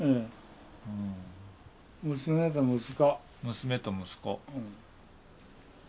娘と息子。